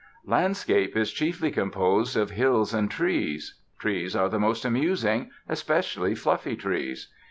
LANDSCAPE is chiefly composed of hills and trees. Trees are the most amusing, especially fluffy trees.